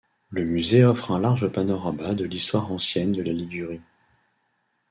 Le musée offre un large panorama de l'histoire ancienne de la Ligurie.